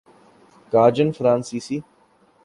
کاجن فرانسیسی